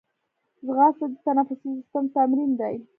ځغاسته د تنفسي سیستم تمرین دی